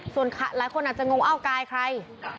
ส่วนค่ะหลายคนอาจจะงงว่ากัยใคร